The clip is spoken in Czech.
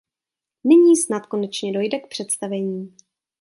Nyní snad konečně dojde k představení.